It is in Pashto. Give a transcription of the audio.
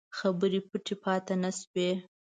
خبرې پټې پاته نه شوې.